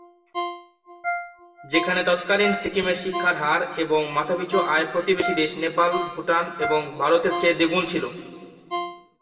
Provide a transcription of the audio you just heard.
যেখানে তৎকালীন সিকিমের শিক্ষার হার এবং মাথাপিছু আয় প্রতিবেশী দেশ নেপাল, ভুটান এবং ভারতের চেয়ে দ্বিগুণ ছিল।